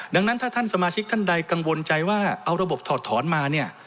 ดังนั้นถ้าท่านสมาชิกท่านใดกังวลใจว่าเอาระบบถอดถอนมาเนี่ย